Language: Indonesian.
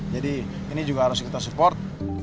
jadi ini juga harus kita support